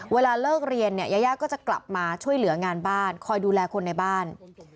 เวลาเลิกเรียนเนี่ยยายาก็จะกลับมาช่วยเหลืองานบ้านคอยดูแลคนในบ้าน